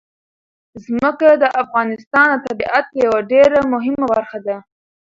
ځمکه د افغانستان د طبیعت یوه ډېره مهمه برخه ده.